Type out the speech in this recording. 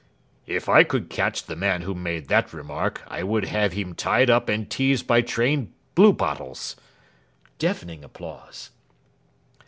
If I could catch the man who made that remark I would have him tied up and teased by trained bluebottles. (Deafening applause.)